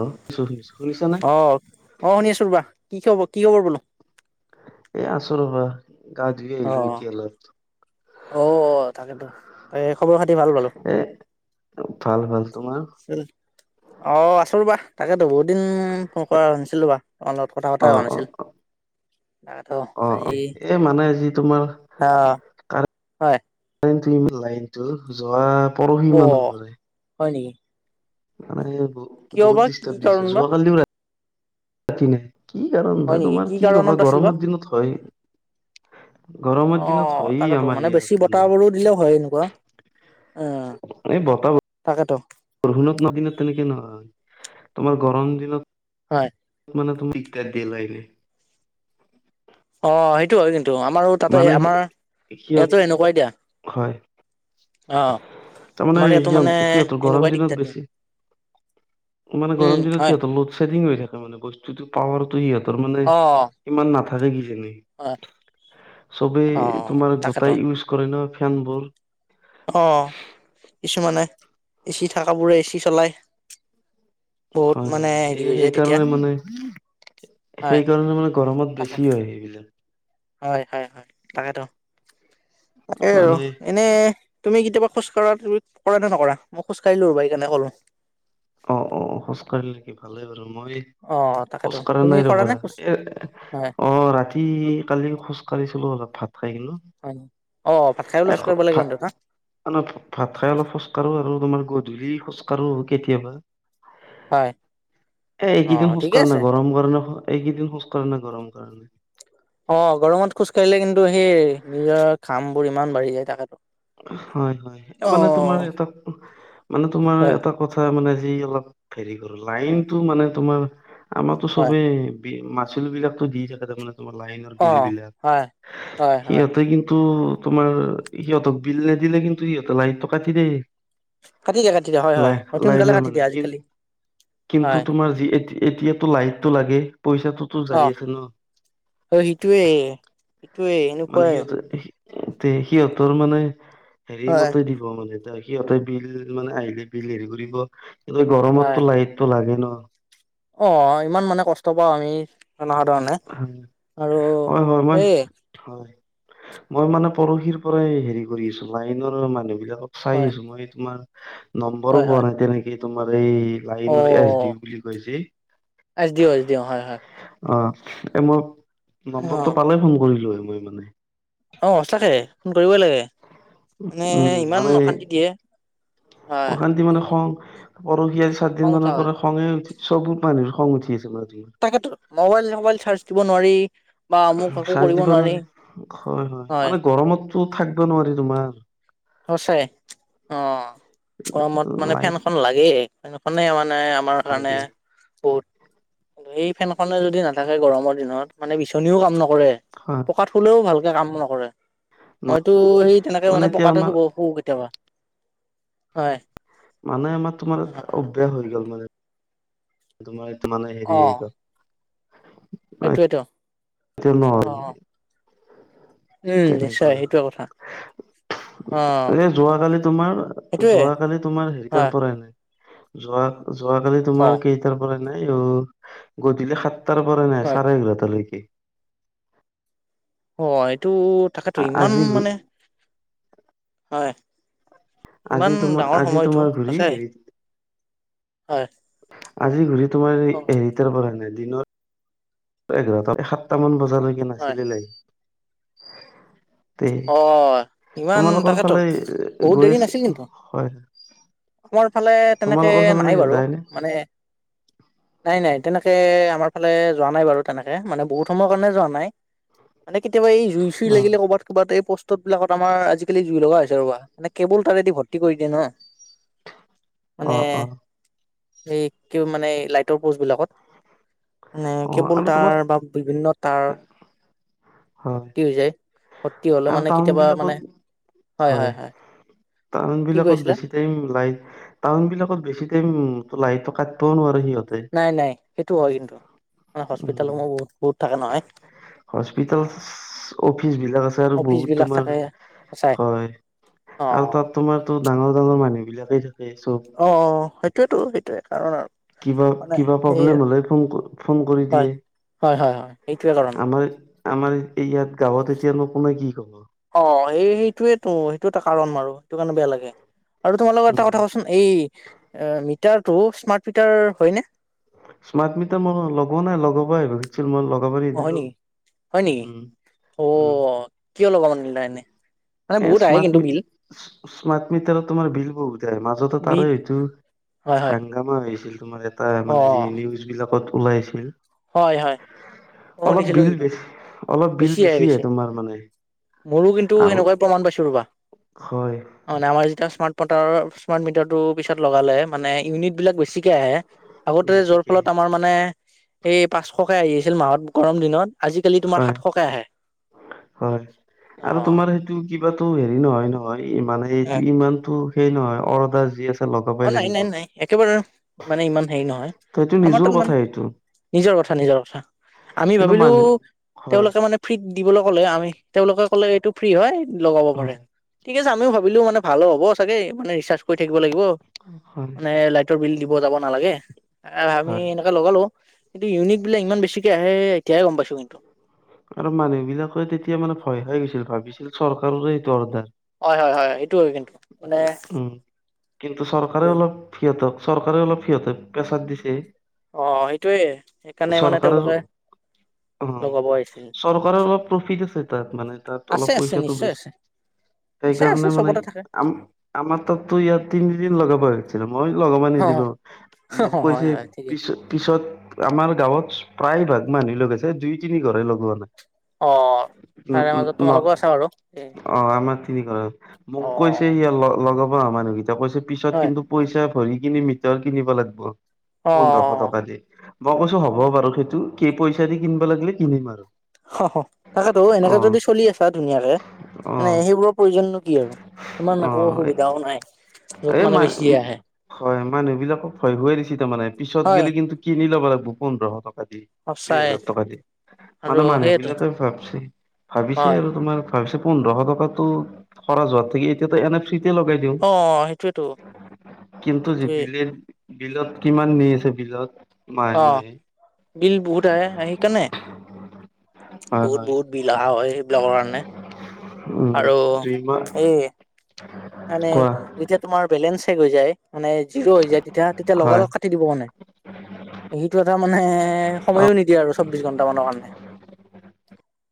অঁ! শুনিছোঁ-শুনিছোঁ। শুনিছ না? অঁ'! শুনি আছো ৰবা। কি খবৰ কি খবৰ বোলো? এ আছোঁ ৰবা, গা ধুই আহিলোঁ এতিয়া অলপ। অ-অ! তাকেতো। এ খবৰ খাতি ভাল বাৰু। ভাল-ভাল। তোমাৰ? [unintelligible] অঁ! আছোঁ ৰ'বা। তাকেতো বহুত দিন ফোন কৰা নাছিলো বা তাৰ লগত কথা পতা হোৱা নাছিল। তাকেতো অ-অ! আজি এই মানে আজি তোমাৰ আহ তাৰ হয় লাইনটো ইমান লাইনটো যোৱা পৰহি অ মানৰ পৰাই। হয় নেকি? মানে কিয় বহুত-বহুত বা কি ডিষ্টাৰ্ব কাৰণ দিছে। বা যোৱা কালিও ৰা ৰাতি নাই। কি কাৰণ হয় ভাই নেকি তোমাৰ কি কবা কাৰণত আছিল বা গৰমৰ দিনত হয়েই। গৰমৰ অ দিনত হয়েই তাকেতো আমাৰ মানে বেছি ইয়াত বতাহ মানে। বোৰো দিলেও হয় এনেকুৱা উম এই বতাহ বৰ তাকেতো। বৰষুণৰ দিনত কিন্তু তেনেকে নহয় তোমাৰ গৰম দিনত হয়। মানে তুমি দিগদাৰ দিয়ে লাইভে। অঁ! সেইটো হয় কিন্তু আমাৰো তাতে মানে সি- আমাৰ সিহঁত ইয়াতো এনেকুৱাই দিয়া। হয় অ তাৰমানে আমাৰ ইয়াতো মানে সিহঁত সিহঁতৰ এনেকুৱাই গৰম দিগদাৰ দিনত দিয়ে। বেছি মানে উম গৰম দিনত হয় সিহঁতৰ লগত ছেডিং হৈ থাকে মানে বস্তুটো। পাৱাৰতো সিহঁতৰ মানে ইমান নাথাকে। কিজানি আ', চবেই তোমাৰ গোটাই ইউজ কৰে ন। ফেনবোৰ অ', কিছুমানে এ চি থাকাবোৰে এ চি চলাই। বহুত হয়। মানে হয়। হেৰি এই হৈ যায় তেতিয়া সেইকাৰণে মানে হয় সেইকাৰণে মানে গৰমত তাকে বেছি হয়। সেইবিলাক হয়। হয়। হয়। তাকেতো তাকেই আৰু মানে এনেই তুমি কেতিয়াবা খোজকাঢ়া তুমি কৰা নে নকৰা? মই খোজকাঢ়িলো ৰবা সেইকাৰণে কলো অ', অ, খোজকাঢ়িল নেকি ভালেই বাৰু মই অ', তাকেতো খোজকাঢ়া তুমি নাই কৰা ৰবা নে খোজ এ, অ, ৰাতি উম', হয়, উম, ৰাতি কালি খোজ কাঢ়িছিলো। অলপ ভাত খাই গিলো হয় নি অ, ভাত খাই অলপ খোজকাঢ়িব লাগে। কিন্তু না এনে ভা ভাত খাই। অলপ খোজকাঢ়ো আৰু তোমাৰ গধূলি খোজকাঢ়ো কেতিয়াবা এ', হয় অ', এইকেইদিন ঠিকে খোজকাঢ়া আছে নাই। গৰম কাৰণে এইকেইদিন খোজকাঢ়া নাই। গৰম কাৰণে। অ', গৰমত খোজ কঢ়িলে। কিন্তু সেই নিজৰ ঘামবোৰ ইমান বাঢ়ি যায়। তাকেতো হয়। হয়। এ, মানে তোমাৰ অ', এটা মানে তোমাৰ হয়, এটা কথা মানে যি অলপ হেৰী কৰো। হয়, লাইনটো মানে তোমাৰ আমাৰটো হয়, চবেই বি মাচুলবিলাকতো দি থাকে। তাৰমানে তোমাৰ লাইনৰ অ', বিলবিলাক। হয়, হয়, হয়। সিহঁতে কিন্তু তোমাৰ সিহঁতক বিল নিদিলে কিন্তু সিহঁতে লাইটটো কাটি দেই। কাটি দিয়া কাটি দিয়া হয় হয় লাই অতি সোনকালে লাইনৰ কাটি দিয়ে মানুহে কি? আজিকালি কিন্তু হয় তোমাৰ যি এ, এতিয়াতো লাইটটো লাগে। পইচাটোতো যায় আছে ন। অ', সিটোৱে এইটোৱেই মানে সিহঁতৰ সিহঁতৰ মানে হেৰি হয় মতে দি মানে এ সিহঁতে বিল মানে আহিলে। বিল হেৰি কৰিব সিহঁতে হয় গৰমতটো লাইট টো লাগে ন। অ', ইমান মানে কষ্ট পাওঁ। আমি জনসাধাৰণে আৰু হয় হয় মই এই হয়। মই মানে পৰখীৰ পৰাই হেৰি কৰি আছো লাইনৰ মানুহবিলাকক চাই হয় আছো। মই তোমাৰ নম্বৰো হয় পোৱা হয় নাই। তেনেকে তোমাৰ এই অ লাইনৰ এছ ডি ও বুলি কয় যে। S D O, S D O, হয়। হয়। অ', এ, মই অ নম্বৰটো পালেই ফোন কৰিলো হৈ মই মানে অ', সঁচাকে ফোন কৰিবই লাগে, মানে উম ইমান মানে অশান্তি দিয়ে। হয় অশান্তি মানে খং পৰহি আজি চাইৰ খং দিন উঠা মানৰ হয় পৰা খঙে উঠি সব মানুহৰ খং উঠি আছে, মানে তোমাৰ তাকেটো মবাইল মবাইল চাৰ্জ দিব নোৱাৰি। বা আমুক একো চাৰ্জ কৰিব দিব নোৱাৰি। হয়। হয়। মানে গৰমতটো থাকব নোৱাৰি। তোমাৰ সচাই অ', গৰমত মানে লাইট ফেনখন লাগেই। ফেনখনে মানে আমাৰ কাৰণে লাগে বহুত এই ফেনখনে যদি নাথাকে। গৰমৰ দিনত, মানে বিচনীও কাম নকৰে। হয়। কাত শুলেও ভালকে কাম নকৰে। ন মইতো সেই তেনেকে মানে এতিয়া পকাতে আমাৰ শুব শুউ কেতিয়াবা। হয় মানে আমাৰ তোমাৰ অভ্যাস হৈ গ'ল মানে তোমাৰ ইটো মানে হেৰি হৈ গ'ল। এইটোয়েটো, এতিয়া নহ'ল অ', অ'। উম, নিশ্চয় তেনেকুৱা সেইটোৱে কথা। অ এ যোৱাকালি তোমাৰ, সেইটোয়ে যোৱাকালি তোমাৰ হেৰিতাৰ হয় পৰাই নাই। যোৱা যোৱাকালি অ তোমাৰ কেইটাৰ পৰা নাই? অ' গধূলি সাত তাৰ পৰা নাই হয় চাৰে এঘাৰটালৈকে। অ' এইটো তাকেতো, ইমান আজি মানে হয়। আজি ইমান তোমাৰ ডাঙৰ আজি সময়টো, তোমাৰ ঘূৰি আছে, হেৰি হয়। আজি ঘূৰি তোমাৰ এই অ হেৰিতাৰ পৰা নাই। দিনৰ এঘাৰটা এ সাতটা মান বজালৈকে হয় নাছিলে লাইট। অ' ইমান, তোমালোকৰ তাকেতো, ফালে বহুত গৈ দেৰি আছে নাছিল কিন্তু হয় [unintelligible] মাৰ ফালে তেনেকে তোমালোকৰ ফালে নাই বাৰু, যায়নে মানে নাই নাই তেনেকে আমাৰ ফালে যোৱা নাই বাৰু তেনেকে, মানে বহুত সময়ৰ কাৰণে যোৱা নাই। মানে কেতিয়াবা এই জুই চুই অ লাগিলে ক'বাত ক'বাত এই পোষ্টত বিলাকত আমাৰ আজিকালি জুই লগা হৈছে ৰ'বা। মানে কেৱল তাৰেদি ভত্তি কৰি দিয়ে ন'। [inaudible] মানে অ অ এই কি মানে এ লাইটৰ প'ষ্টবিলাকত মানে অ কেবোল আৰু তোমাৰ তাঁৰ বা বিভিন্ন তাঁৰ হয় ভৰ্তি হৈ যায়। ভৰ্তি হ'লে আৰু মানে টাউন কেতিয়াবা মানে বিলাকত, হয় টাউন কি বিলাকত কৈছিলা? বেছি [unintelligible] লাইট। টাউন বিলাকত বেছি টাইম লাইটো কাইটবও নোৱাৰে সিহঁতে। নাই নাই সেইটো হয় কিন্তু। হস্পিতেলসমূহ বহুত বহুত থাকে নহয়। অ। হস্পিতেলচ অফিচ বিলাক আছে আৰু বহুত তোমাৰ [unintelligible] চাই হয় অ'। আৰু তাত তোমাৰতো ডাঙৰ ডাঙৰ মানুহ বিলাকেই থাকে চ'ব। অ', অ', অ', অ'সেইটোয়েটো সেইটোয়ে কাৰণ আৰু। কিবা, মানে কিবা সেয়ে প্ৰব্লেম হ'লে ফোন ফোন কৰি হয়। দিয়ে। হয়, হয়, হয়, এইটোৱে কাৰণ। আমাৰ আমাৰ এ এই ইয়াত গাঁৱত এতিয়া নো কোনে কি ক'ব? অ' সেইটোয়েটো সেইটো এটা কাৰণ আৰু। সেইটো কাৰণে বেয়া লাগেআৰু তোমাৰ লগৰ এটা উম কথা কোৱাচো এই মিটাৰটো স্মাৰ্ট মিটাৰ হয় নে? স্মাৰ্ট মিটাৰ মই লগোৱা নাই। লগাব আহিবা খুজছিল মই লগাব অ হয় নিদিলো। নেকি হয় নেকি? উম ও উম অ' কিয় লগব নিদিলা এনে? মানে এ বহুত আহে স্মাৰ্ট কিন্তু মি বিল। স্মাৰ্ট মিটাৰত তোমাৰ বিল বহুত আহে। মাজতে তাৰে বিল হৈ টো হয় হয় হা গামা আছিল তোমাৰ এটা অ মানে যি নিউজ বিলাকত ওলাইছিল। হয়, হয়। মই অলপ শুনিছিলো বিল কিন্তু বেছি, অলপ বিল বেছি আহে তোমাৰ মানে। মোৰো কিন্তু আৰু সেনেকুৱাই প্ৰমাণ পাইছো ৰ'বা। হয়। অ' মানে আমাৰ যেতিয়া স্মাৰ্ট মটাৰ, স্মাৰ্ট মিটাৰটো পিছত লগালে মানে ইউনিট বিলাক বেছিকে আহে। আগতে য'ৰ বেছিকে ফলত আমাৰ মানে এই পাঁচশকে আহি আছিল মাহত গৰম দিনত, আজিকালি তোমাৰ হয় সাতশকে আহে। হয় অ', আৰু তোমাৰ সেইটো কিবাতো হেৰি নহয় নহয়, মানে অ, এইটো ইমানটো সেই নহয় অৰ্দাৰ যি আছে। লগাবই অ' নাই, লাগিব নাই, নাই একেবাৰে মানে ইমান হেৰি নহয়। ত এইটো আমাৰ নিজৰ তাত কথা ইমান এইটো নিজৰ কথা নিজৰ কথা। আমি কিন্তু ভাবিলো মানুহ হয় তেওঁলোকে মানে ফ্ৰীত দিবলৈ ক'লেহে আমি, তেওঁলোকে ক'লে এইটো ফ্ৰী হয়, লগাব পাৰে। হয় ঠিক আছে আমিও ভাবিলো মানে ভালো হ'ব চাগে, মানে ৰিচাৰ্জ কৰি থাকিব লাগিব। [unintelligible] এ, লাইটৰ বিল দিব যাব নালাগে, এ ভাবি হয় লগালো, কিন্তু ইউনিক বিলাক ইমান বেছিকে আহে, এতিয়ে গম পাইছো কিন্তু! আৰু মানুহ বিলাকে তেতিয়া মানে ভয় খাই গৈছিল, ভাবিছিল চৰকাৰৰে এইটো অৰ্ডাৰ। হয় হয় হয় এইটো হয় কিন্তু মানে উম, কিন্তু হেৰি চৰকাৰে অলপ সিহঁতক, চৰকাৰেও অলপ সিহঁতক পেছাৰ দিছে। অ, সেইটোৱেই, সেইকাৰণে মানে চৰকাৰৰ তেওঁলোকে অ, লগাব আহিছিল চৰকাৰৰ অলপ প্ৰফিট আছে তাত, মানে তাত আছে অলপ আছে পইচাটো নিশ্চয় বেছি। আছে নিশ্চয় আছে সেইকাৰণে মানে চবতে থাকে আম-আমাৰ তাতো ইয়াত তিনিদিন লগাব আহিছে। মই লগাব অ নিদিলো, মোক হয় কৈছে হয় ঠিকেই পিছ-পিছত আমাৰ গাঁৱত প্ৰায় ভাগ মানুহ লগাইছে, দুই-তিনি ঘৰে লগোৱা নাই। অ, উম, তাৰে উম, মাজত ন তোমালোকও আছা আৰু। অ, আমাৰ তিনি ঘৰ। মোক কৈছে ইয় লগাব মানুহকেইটা কৈছে, পিছত হয় কিন্তু পইচা ভৰি কিনি মিটাৰ কিনিব লাগিব, অ পোন্ধৰশ টকা দি। মই কৈছো অ হ'ব বাৰু। সেইটো কি পইচা দি কিনিব লাগিলে কিনিম আৰু। অ, তাকেতো, অ এনেকে যদি চলি আছা ধুনীয়াকে, অ মানে সেইবোৰৰ প্ৰয়োজন নো কি আৰু। ইমান অ একো অসুবিধাও নাই। য'ত এই মানে মা বেছিয়ে আহে হয়, মানুহ বিলাকক ভয় খোৱাই দিছে তাৰমানে, পিছত হয় গ'লে কিন্তু কিনি ল'ব লাগিব পোন্ধৰ শ টকা দি। দুই সঁচাই হাজাৰ টকা দি, আৰু মানে মানুহ সেইয়েতো বিলাকে ভাবছে, ভাবিছে হয় আৰু তোমাৰ ভাবিছে, পোন্ধৰ শ টকাতটো খৰচ হোৱা থাকি, এতিয়াতো এন ফ্ৰিতে লগাই দিওঁ অ সেইটোয়েতো কিন্তু সেইটোয়ে সেইবুলিয়েই বিলত কিমান নি আছে, বিলত? মাহে অ, মাহে বিল বহুত আহে, আহি কাণে হয় হয় বহুত-বহুত বিল আহা হয় সেইবিলাকৰ কাৰণে। উম। ক? দুইমাহ এই মানে কোৱা যেতিয়া তোমাৰ বেলেঞ্চ শেষ হৈ যায় মানে জিৰো হৈ যায়, তেতিয়া, তেতিয়া হয় লগা-লগ কাটি দিব মানে। সেইটো এটা মানে অ সময়ো নিদিয়ে আৰু চৌবিশ ঘণ্টা মানৰ কাৰণে।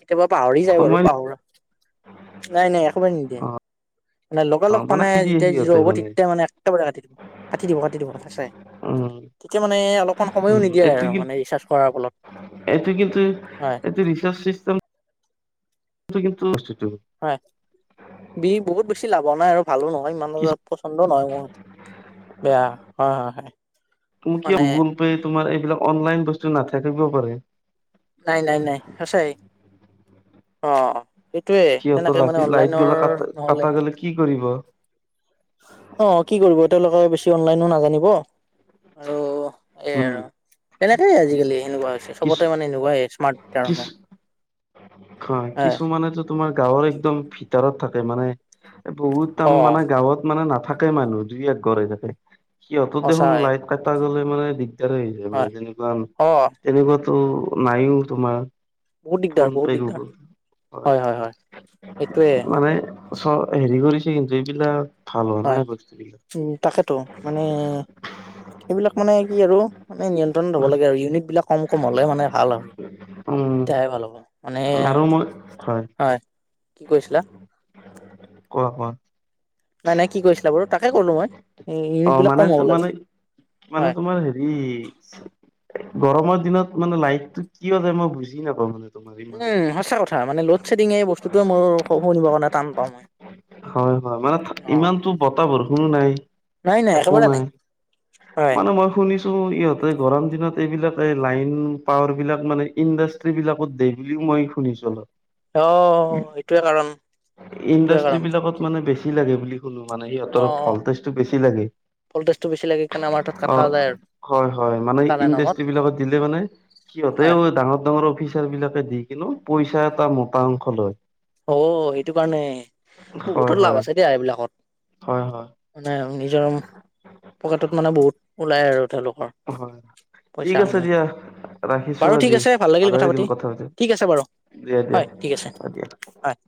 কেতিয়াবা পাহৰি যায় বাৰু! সময় পাহৰা, নাই, নাই একেবাৰে নিদিয়ে। অ মানে অ লগা-লগ মানে কি দিয়ে যেতিয়া জিৰো সিহঁতে হ'ব, তেতিয়াই মানে একেবাৰে কাটি দিব। কাটি দিব, কাটি দিব, নেচাই। উম তেতিয়া মানে অলপমান সময়ো উম নিদিয়ে এইটো আৰু কি মানে ৰিচাৰ্জ কৰাৰ ফলত। এইটো কিন্তু হয় এইটো ৰিচাৰ্ছ চিষ্টেম [unintelligible] হয়, দি বহুত বেছি লাভ হোৱা নাই, আৰু ভালো নহয়, ইমান কি এটা পচন্দ নহয় মোৰ। বেয়া, হয়, হয়, হয়। তুমি কিয় মানে গুগল পে', তোমাৰ এইবিলাক অনলাইন বস্তু নাথাকিব পাৰে। নাই, নাই, নাই, সঁচাই। অ, অ। সেইটোয়ে, সিহঁতৰ তেনেকে মানে ৰাতি লাইট অনলাইনৰ গিলা কাট নহ'লে। কাটা গলে কি কৰিব? অ, কি কৰিব? তেওঁলোকে বেছি অনলাইনো নাজানিব। আৰু এ উম আৰু, কেনেকাইে আজিকালি সেনেকুৱা হৈছে, কিছু চবতে মানে এনেকুৱাই, স্মাৰ্ট মিটাৰ ন! [inaudible] অ', কিছুমানেতো তোমাৰ গাঁৱৰ একদম ভিতৰত থাকে মানে বহুত একদম অ মানে গাঁৱত মানে নাথাকে মানুহ দুই এক ঘৰেই থাকে, সিহঁতৰ দেখোন সঁচাই লাইট কটা গ'লে মানে দিগদাৰ হৈ যায় মানে হয় তেনেকুৱা অ তেনেকুৱাতো নাইও তোমাৰ। বহুত দিগদাৰ দিগদাৰ হয় হয় হয় সেইটোয়ে [unintelligible] মানে চ' হেৰিওঁ দিছে [unintelligible] হয়, উম, তাকেতো মানে সেইবিলাক মানে কি আৰু মানে নিয়ন্ত্ৰণত হব লাগে, আৰু ইউনিট বিলাক কম কম হলে মানে ভাল আৰু। উম [unintelligible] ভাল হ'ব মানে আৰু মই হয়, কি কৈছিলা? কোৱা কোৱা। নাই নাই কি কৈছিলা বাৰু তাকে কলো মই, অ ইউনিট বিলাক মানে কম হ'ব লাগে। মানে হয় মানে তোমাৰ হেৰি গৰমৰ দিনত মানে লাইটটো কিয় যায়, মই বুজি নাপাওঁ মানে। তোমাৰ ইমান উম, সঁচা কথা। মানে লডশ্বেডিং এই বস্তুতে মোৰ শুনিব কাৰণে টান পাওঁ মই হয় হয় মানে অ'। ইমানতো বতাহ বৰষুনো নাই, একো নাই হয় মানে মই শুনিছো ইহঁতে গৰম দিনত এইবিলাকে লাইন পাৱাৰবিলাক মানে ইণ্ডাষ্ট্ৰ্ৰী বিলাকত [unintelligible] মই। শুনিছো [unintelligible] অ', সেইটোৱে কাৰণ এইটোয়ে ইণ্ডাষ্ট্ৰী কাৰণ। বিলাকত মানে বেছি লাগে বুলি ক'লো মানে সিহঁতৰ ভল্টেজটো বেছি লাগে। ভল্টেছটো বেছি লাগে কাৰনে আমাৰ তাত অ কটা যায় আৰু। হয়, হয়, মানে তাৰে নামত ইণ্ডাষ্ট্ৰ্ৰী বিলাকত দিলে মানে, সিহঁতেও হয় ডাঙৰ ডাঙৰ অফিচ [unintelligible] বিলাকে দি কিনু পইচা এটা মোতা অংশ লয়। অ', সেইটো কাৰণে হয় বহুতত লাভ হয় আছে দিয়া এইবিলাকত। হয়, হয়। মানে নিজৰ পকেটত মানে বহুত ওলাই আৰু তেওঁলোকৰ। হয়, ঠিক আছে পইচাসমূহ দিয়া। ৰাখিছো বাৰু ঠিক আজি, আছে ভাল ভালে লাগিল পাতি কথা পতি ঠিক আছে বাৰু দিয়া দিয়া হয় ঠিক আছে অ', দিয়া। হয়।